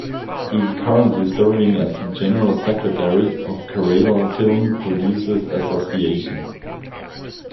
He is currently serving as the general secretary of Kerala Film Producers Association.